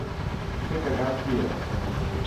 Fer cagar el tió.